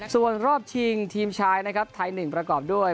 ส่วนรอบชิงทีมชายนะครับไทย๑ประกอบด้วย